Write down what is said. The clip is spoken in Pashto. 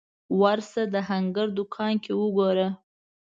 ورشه د هنګر دوکان کې وګوره